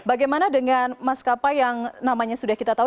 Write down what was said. bagaimana dengan maskapai yang namanya sudah kita tahu